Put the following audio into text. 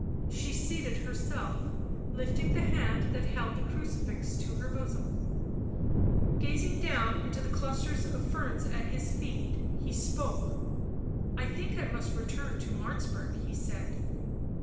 She seated herself, lifting the hand that held the crucifix to her bosom. Gazing down into the clusters of ferns at his feet, he spoke: " I think I must return to Martzburg," he said.